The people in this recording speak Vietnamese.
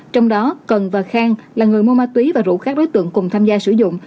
trong đó cần và khang là người mua ma túy và rủ các đối tượng cùng tham gia sử dụng